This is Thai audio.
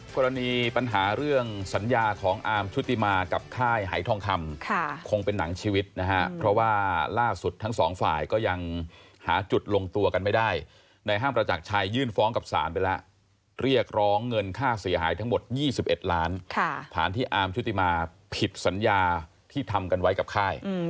กรณีปัญหาเรื่องสัญญาของอาร์มชุติมากับค่ายหายทองคำคงเป็นหนังชีวิตนะฮะเพราะว่าล่าสุดทั้งสองฝ่ายก็ยังหาจุดลงตัวกันไม่ได้ในห้างประจักรชัยยื่นฟ้องกับศาลไปแล้วเรียกร้องเงินค่าเสียหายทั้งหมด๒๑ล้านฐานที่อาร์มชุติมาผิดสัญญาที่ทำกันไว้กับค่าย